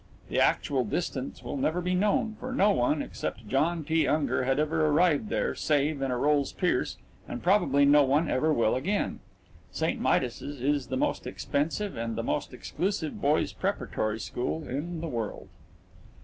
The actual distance will never be known, for no one, except John T. Unger, had ever arrived there save in a Rolls Pierce and probably no one ever will again. St. Midas's is the most expensive and the most exclusive boys' preparatory school in the world.